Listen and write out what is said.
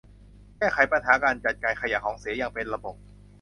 แก้ไขปัญหาการจัดการขยะของเสียอย่างเป็นระบบ